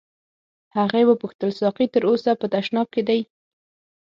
هغې وپوښتل ساقي تر اوسه په تشناب کې دی.